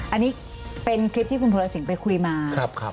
อันนี้เป็นคลิปที่คุณภูลสินไปคุยมา